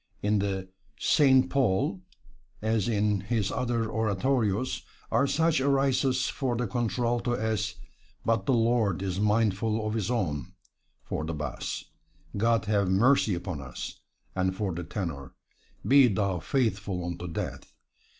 In the "Saint Paul," as in his other oratorios, are such arias for the contralto as, "But the Lord is mindful of His own"; for the bass, "God have mercy upon us," and for the tenor, "Be thou faithful unto death."